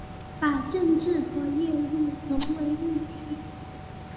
把政治和业务融为一体